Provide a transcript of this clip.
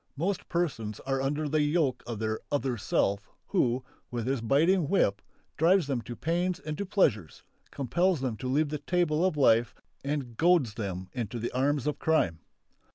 Most persons are under the yoke of their "other self" who, with his biting whip, drives them to pains and to pleasures, compels them to leave the table of life and goads them into the arms of crime.